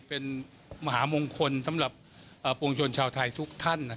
เป็นมหามงคลสำหรับปวงชนชาวไทยทุกท่าน